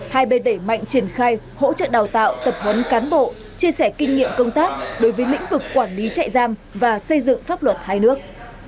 hai bên đẩy mạnh triển khai hỗ trợ đào tạo tập huấn cán bộ chia sẻ kinh nghiệm công tác đối với lĩnh vực quản lý chạy giam và xây dựng pháp luật hai nước